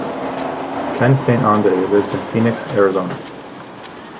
Ken Saint Andre lives in Phoenix, Arizona.